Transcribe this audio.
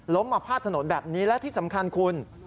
มาพาดถนนแบบนี้และที่สำคัญคุณ